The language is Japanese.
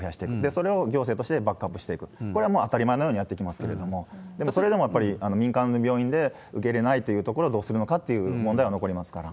それを行政としてバックアップしていく、これはもう当たり前のようにやっていきますけれども、でも、それでもやっぱり民間の病院で受け入れられないというところをどうするのかっていう問題は残りますから。